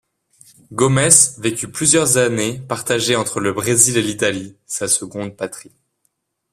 Gomes vécut plusieurs années partagé entre le Brésil et l'Italie, sa seconde patrie.